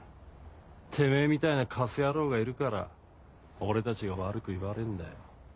てめぇみたいなカス野郎がいるから俺たちが悪く言われんだよ。